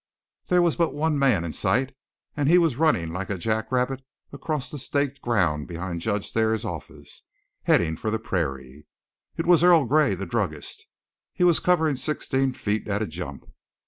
There was but one man in sight, and he was running like a jack rabbit across the staked ground behind Judge Thayer's office, heading for the prairie. It was Earl Gray, the druggist. He was covering sixteen feet at a jump.